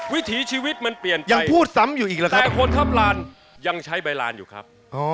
วิถีชีวิตมันเปลี่ยนไปแต่คนทัพลานยังใช้ใบลานอยู่ครับ